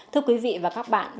thưa quý vị và các bạn